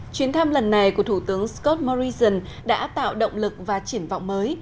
chuyến thăm lần này của thủ tướng scott morrison đã tạo động lực và triển vọng mới